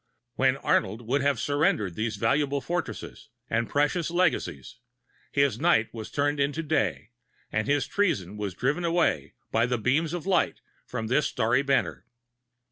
When Arnold would have surrendered these valuable fortresses and precious legacies, his night was turned into day, and his treachery was driven away by the beams of light from this starry banner.